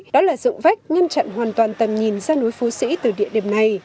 đó là dụng vách ngăn chặn hoàn toàn tầm nhìn ra núi phú sĩ từ địa điểm này